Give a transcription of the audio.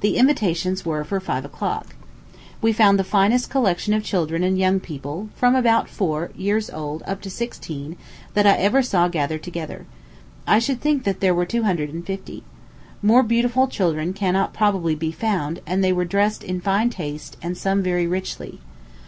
The invitations were for five o'clock. We found the finest collection of children and young people, from about four years old up to sixteen, that I ever saw gathered together. I should think there were two hundred and fifty. More beautiful children cannot probably be found; and they were dressed in fine taste, and some very richly.